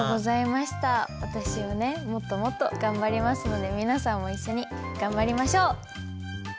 私もねもっともっと頑張りますので皆さんも一緒に頑張りましょう！